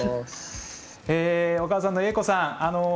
お母さんの栄子さん。